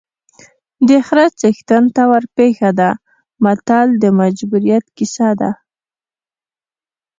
د خره څښتن ته ورپېښه ده متل د مجبوریت کیسه ده